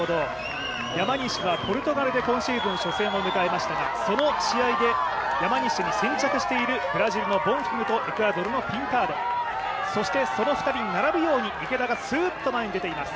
山西はポルトガルで今シーズン初戦を迎えましたがその試合で山西に先着しているブラジルのボンフィムとエクアドルのピンタード、そしてその２人に並ぶように池田がスーッと前に出ています。